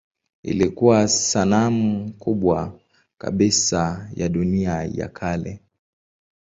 Ilikuwa sanamu kubwa kabisa ya dunia ya kale.